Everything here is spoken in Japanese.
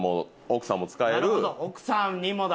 奥さんも使える。